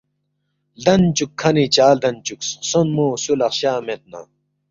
لدن چوک کھنی چا لدن چوکس خسونمو سولا خشا مید نہ